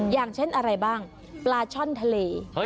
อย่างเช่นอะไรบ้างปลาช่อนทะเล